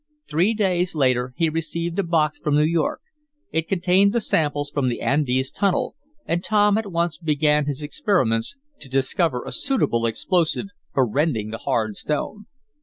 Three days later he received a box from New York. It contained the samples from the Andes tunnel, and Tom at once began his experiments to discover a suitable explosive for rending the hard stone.